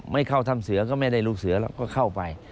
ไม่เข้าทำเสือก็ไม่ได้รู้เสือก็เข้าไป